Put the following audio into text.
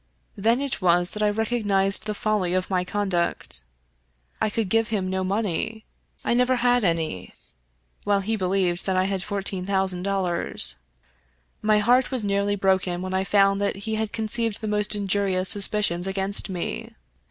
Then it was that I recognized the folly of my conduct. I could give him no money. I never had any — ^while he believed that I had fourteen thousand dollars. My heart was nearly broken when I found that he had conceived the most injurious suspicions against me.